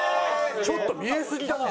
ちょっと見えすぎだな！